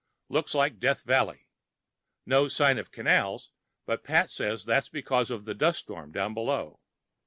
Looks like Death Valley. No sign of canals, but Pat says that's because of the dust storm down below.